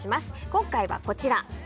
今回はこちら。